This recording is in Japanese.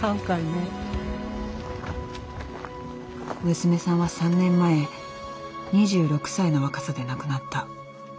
娘さんは３年前２６歳の若さで亡くなった。